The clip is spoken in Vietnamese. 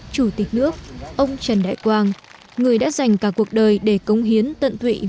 chủ tịch nước ông trần đại quang người đã dành cả cuộc đời để cống hiến tận tụy vì dân vì nước